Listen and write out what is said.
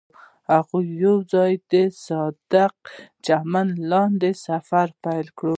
هغوی یوځای د صادق چمن له لارې سفر پیل کړ.